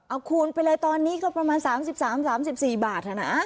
เอาคูณไปเลยตอนนี้ก็ประมาณ๓๓๔บาทนะ